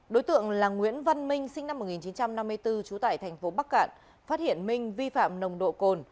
đối tượng là nguyễn văn minh sinh năm một nghìn chín trăm năm mươi bốn trú tại thành phố bắc cạn phát hiện minh vi phạm nồng độ cồn